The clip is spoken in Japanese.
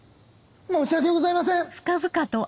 申し訳ございません！